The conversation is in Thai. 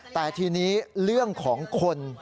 แต่ทีนี้เรื่องของคน